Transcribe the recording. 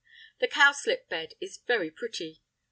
The cowslip bed is very pretty.